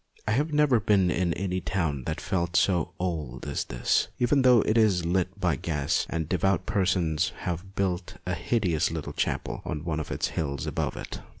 I have never been in any town that felt so old as this, even though it is lit by gas and devout persons have built a hideous little chapel on one of the hills above it.